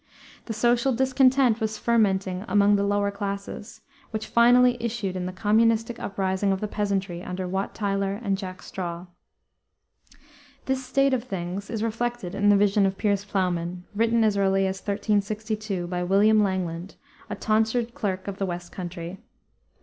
The social discontent was fermenting among the lower classes, which finally issued in the communistic uprising of the peasantry, under Wat Tyler and Jack Straw. This state of things is reflected in the Vision of Piers Plowman, written as early as 1362, by William Langland, a tonsured clerk of the west country.